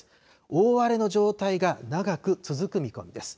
大荒れの状態が長く続く見込みです。